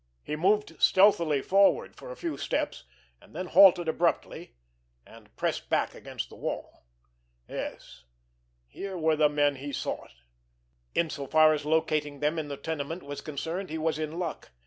He moved stealthily forward for a few steps; and then halted abruptly, and pressed back against the wall. Yes, here were the men he sought. In so far as locating them in the tenement was concerned, he was in luck.